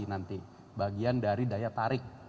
nanti bagian dari daya tarik